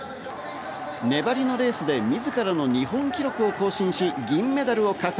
粘りのレースで自らの日本記録を更新し、銀メダルを獲得。